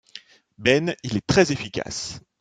Ben il est très efficace.